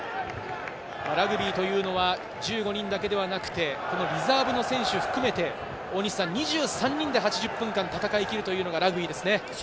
ラグビーというのは１５人だけではなくて、リザーブの選手を含めて２３人で８０分間戦いきるというのがラグビーですね。